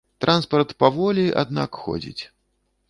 Транспарт паволі, аднак ходзяць.